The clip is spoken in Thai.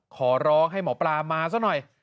ขอร้องให้หมอปลามาซะหน่อย